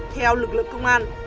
theo lực lượng công an